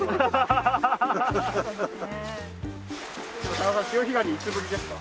高田さん潮干狩りいつぶりですか？